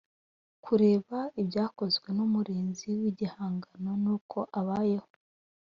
kureba ibyakozwe n umurinzi w igihango n uko abayeho